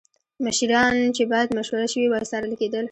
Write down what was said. مشیران چې باید مشوره شوې وای څارل کېدل